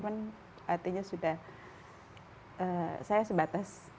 artinya sudah saya sebatas